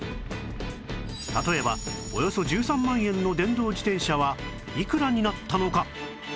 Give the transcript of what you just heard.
例えばおよそ１３万円の電動自転車はいくらになったのか？